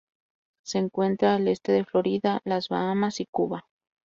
Se encuentra al este de Florida, las Bahamas y Cuba.